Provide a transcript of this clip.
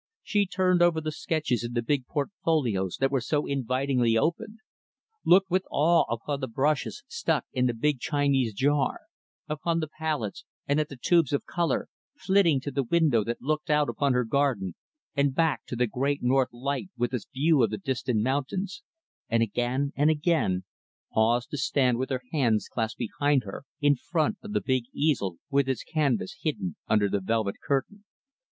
She turned over the sketches in the big portfolios that were so invitingly open; looked with awe upon the brushes stuck in the big Chinese jar upon the palettes, and at the tubes of color; flitting to the window that looked out upon her garden, and back to the great, north light with its view of the distant mountains; and again and again, paused to stand with her hands clasped behind her, in front of the big easel with its canvas hidden under the velvet curtain.